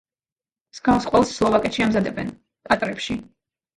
მსგავს ყველს სლოვაკეთში ამზადებენ, ტატრებში.